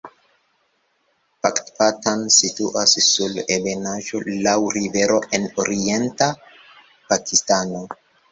Pakpatan situas sur ebenaĵo laŭ rivero en orienta Pakistano.